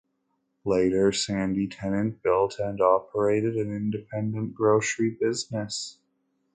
Later, Sandy Tennant built and operated an independent grocery business.